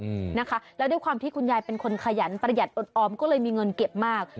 อืมนะคะแล้วด้วยความที่คุณยายเป็นคนขยันประหยัดอดออมก็เลยมีเงินเก็บมาก